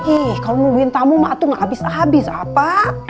ih kalau nungguin tamu mak tuh gak habis habis apa